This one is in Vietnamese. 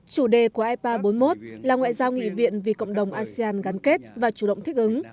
chủ đề của ipa bốn mươi một là ngoại giao nghị viện vì cộng đồng asean gắn kết và chủ động thích ứng